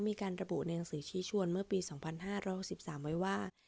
มีการระบุในหนังสือชี้ชวนเมื่อปีสองพันห้าร้อยสิบสามไว้ว่า